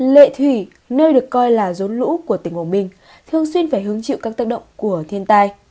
lệ thủy nơi được coi là rốn lũ của tỉnh quảng bình thường xuyên phải hứng chịu các tác động của thiên tai